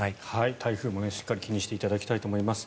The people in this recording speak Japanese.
台風もしっかり気にしていただきたいと思います。